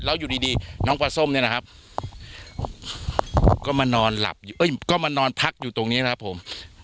แล้วอยู่ดีน้องปลาส้มเนี่ยนะครับก็มานอนหลับอยู่ก็มานอนพักอยู่ตรงนี้นะครับผม